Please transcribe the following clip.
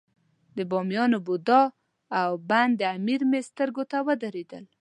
د بامیانو بودا او بند امیر مې سترګو ته ودرېدل.